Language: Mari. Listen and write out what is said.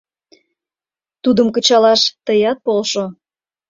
Тудым кычалаш тыят полшо.